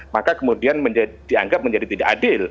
maka kemudian dianggap menjadi tidak adil